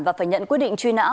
và phải nhận quyết định truy nã